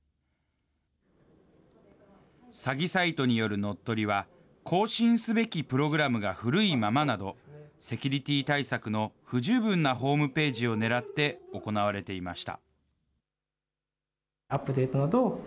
詐欺サイトによる乗っ取りは、更新すべきプログラムが古いままなど、セキュリティー対策の不十分なホームページを狙って行われていました。